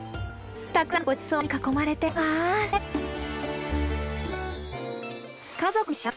たくさんのごちそうに囲まれてああ幸せ！